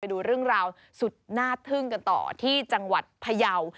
ดูเรื่องราวสุดน่าทึ่งกันต่อที่จังหวัดพยาว